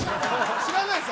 知らないです